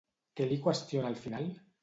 Què li qüestiona al final?